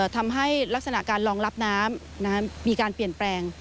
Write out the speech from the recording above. ทำให้ลักษณะการรองรับน้ำมีการเปลี่ยนแปลง